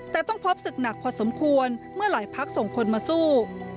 แต่ต้องพบศึกหนักพอสมควรเมื่อหลายพักส่งคนมาสู้